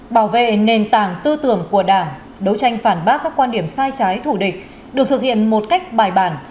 bảo vệ nền tảng tư tưởng của đảng đấu tranh phản bác các quan điểm sai trái thủ địch được thực hiện một cách bài bản